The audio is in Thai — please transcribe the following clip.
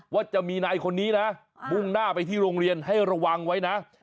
ว่าจะมีนายคนนี้นะมุ่งหน้าไปที่โรงเรียนให้ระวังไว้นะ